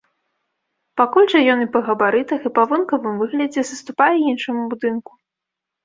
Пакуль жа ён і па габарытах, і па вонкавым выглядзе саступае іншаму будынку.